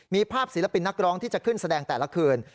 มีภาพศิลปินนักร้องที่จะขึ้นแสดงแต่ละคืน